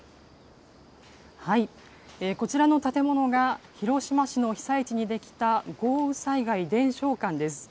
こちらの建物が、広島市の被災地に出来た豪雨災害伝承館です。